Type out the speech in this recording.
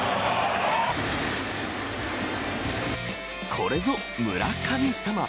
これぞ村神様。